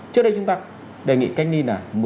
trước đây chúng ta đề nghị cách ni là